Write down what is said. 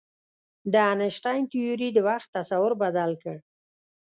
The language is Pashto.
د انیشتین تیوري د وخت تصور بدل کړ.